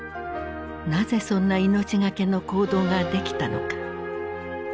なぜそんな命懸けの行動ができたのか。